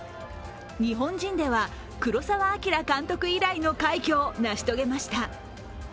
日本人では黒澤明監督以来の快挙を成し遂げました。